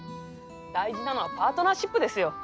大事なのはパートナーシップですよ。